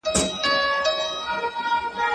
صالحه ميرمن د خاوند منع حکمت او ورکړه مهرباني ګڼي.